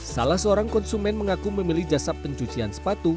salah seorang konsumen mengaku memilih jasa pencucian sepatu